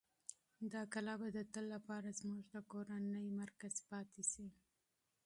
دا کلا به د تل لپاره زموږ د کورنۍ مرکز پاتې شي.